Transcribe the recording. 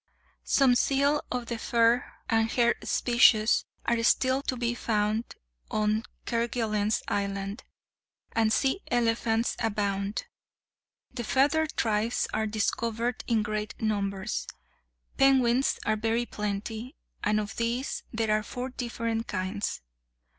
Some seal of the fur and hair species are still to be found on Kerguelen's Island, and sea elephants abound. The feathered tribes are discovered in great numbers. Penguins are very plenty, and of these there are four different kinds.